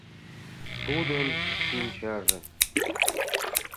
Тудын шинчаже!